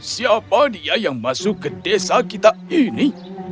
siapa dia yang masuk ke desa kita ini